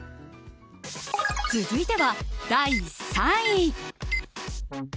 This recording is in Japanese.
続いては、第３位。